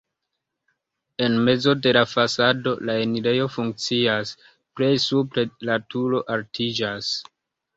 En mezo de la fasado la enirejo funkcias, plej supre la turo altiĝas.